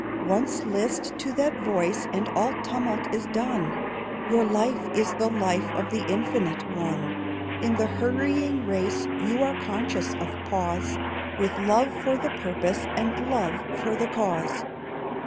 Once list to that voice and all tumult is done, Your life is the life of the Infinite One; In the hurrying race you are conscious of pause, With love for the purpose and love for the cause.